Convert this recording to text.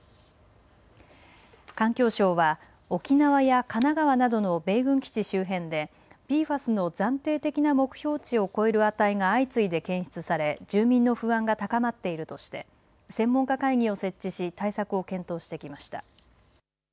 環境省は沖縄や神奈川などの米軍基地周辺でＰＦＡＳの暫定的な目標値を超える値が相次いで検出され住民の不安が高まっているとして専門家会議を設置し対策を検討してきました。